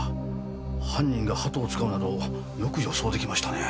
犯人が鳩を使うなどよく予想できましたねぇ。